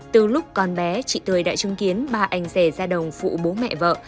từ lúc con bé chị tươi đã chứng kiến ba anh rể ra đồng phụ bố mẹ vợ